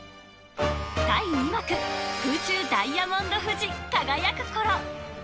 第２幕、空中ダイヤモンド富士輝く頃。